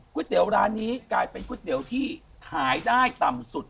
เตี๋ยวร้านนี้กลายเป็นก๋วยเตี๋ยวที่ขายได้ต่ำสุด